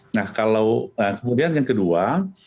nah kalau kemudian yang kedua